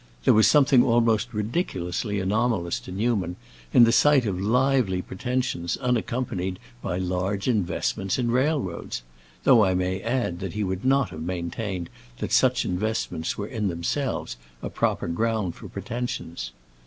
There was something almost ridiculously anomalous to Newman in the sight of lively pretensions unaccompanied by large investments in railroads; though I may add that he would not have maintained that such investments were in themselves a proper ground for pretensions.